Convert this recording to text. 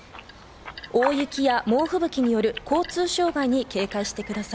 大雪や猛ふぶきによる交通障害に警戒してください。